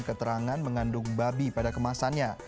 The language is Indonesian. keterangan mengandung babi pada kemasannya